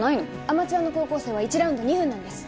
アマチュアの高校生は１ラウンド２分なんです。